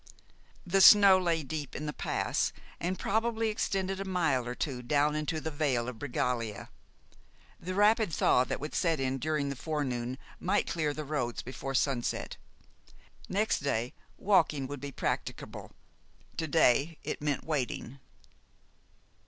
The snow lay deep in the pass, and probably extended a mile or two down into the Vale of Bregaglia. The rapid thaw that would set in during the forenoon might clear the roads before sunset. Next day, walking would be practicable; to day it meant wading.